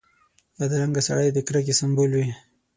بدرنګه سړی د کرکې سمبول وي